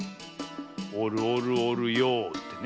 おるおるおるよってね。